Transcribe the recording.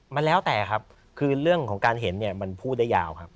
มันแล้วแต่ครับคือเรื่องของการเห็นเนี่ยมันพูดได้ยาวครับ